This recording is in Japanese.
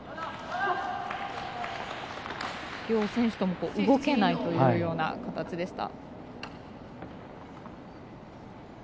両選手とも動けないというような形でした。